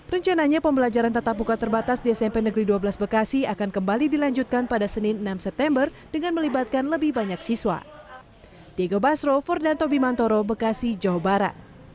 rencananya pembelajaran tatap muka terbatas di smp negeri dua belas bekasi akan kembali dilanjutkan pada senin enam september dengan melibatkan lebih banyak siswa